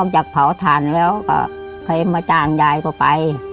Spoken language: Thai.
หลานก็ทำไม่ได้หลานก็ทำไม่ได้ต้องทำเลี้ยงคนเดียว